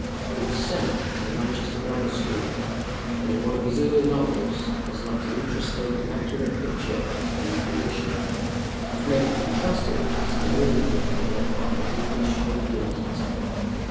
He was sent to the Manchester grammar school, and in one of his early novels has left an interesting and accurate picture of its then condition, which may be contrasted with that of an earlier period left by the "English opium eater."